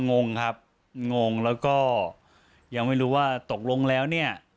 งงครับงงแล้วก็ยังไม่รู้ว่าตกลงแล้วเนี่ย